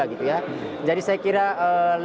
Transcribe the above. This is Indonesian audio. apalagi proses dia sendiri menghadapi proses sukar